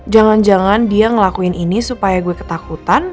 jangan jangan dia ngelakuin ini supaya gue ketakutan